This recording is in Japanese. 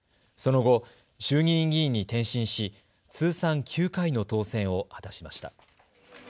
その後、衆議院議員に転身し通算９回の当選を果たしました。